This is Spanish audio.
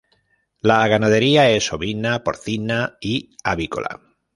La ganadería es ovina, porcina y avícola.